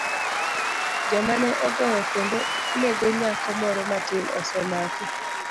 Joma ne ogoyo kendo nego nyako moro matin osemakgi